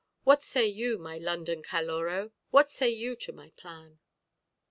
What say you, my London Caloró; what say you to my plan?